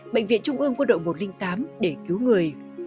bệnh viện trung ương quân đội một trăm linh tám để cứu người